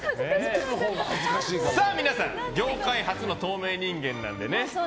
さあ皆さん、業界初の透明人間なんでね。